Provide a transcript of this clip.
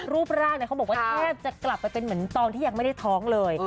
รูปร่างเขาบอกว่าแทบจะกลับไปเป็นเหมือนตอนที่ยังไม่ได้ท้องเลย